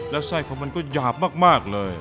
แล้วไส้ของมันก็หยาบมากเลย